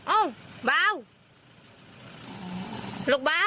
อุ่นเว้าลูกค้า